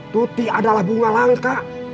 tuti adalah bunga langka